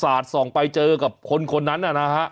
มันสาดส่องไปเจอกับคนนั้นน่ะนะ